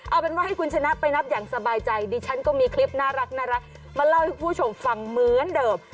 เอาเป็นว่าให้คุณชนะไปนับอย่างสบายใจดิฉันก็มีคลิปน่ารักมาเล่าให้คุณผู้ชมฟังเหมือนเดิม